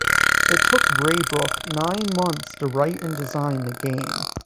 It took Braybrook nine months to write and design the game.